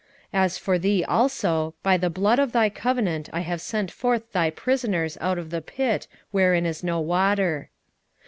9:11 As for thee also, by the blood of thy covenant I have sent forth thy prisoners out of the pit wherein is no water.